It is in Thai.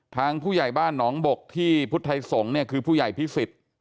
ทางผู้ใหญ่บ้านหนองบกที่พุทธไทยสงฆ์เนี่ยคือผู้ใหญ่พิสิทธิ์